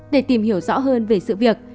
để tìm hiểu rõ hơn về sự việc